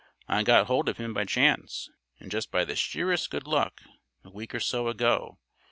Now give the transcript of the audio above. I got hold of him by chance, and just by the sheerest good luck, a week or so ago.